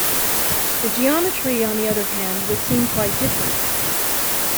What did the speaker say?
The geometry, on the other hand, would seem quite different.